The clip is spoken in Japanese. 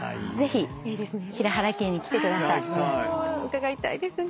伺いたいですね。